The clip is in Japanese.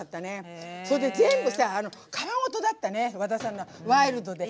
それで全部さ皮ごとだったね和田さんのはワイルドで。